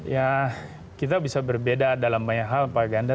ya kita bisa berbeda dalam banyak hal pak ganda